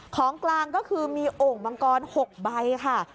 ของกลางก็คือมีโอ่งมังกร๖ใบค่ะ